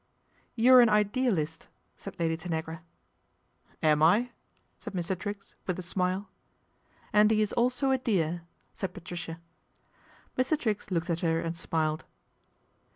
You are an idealist," said Lady Tanagra. " Am I ?" said Mr. Triggs, with a smile. " And he is also a dear," said Patricia. Mr. Triggs looked at her and smiled.